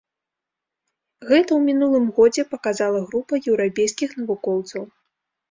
Гэта ў мінулым годзе паказала група еўрапейскіх навукоўцаў.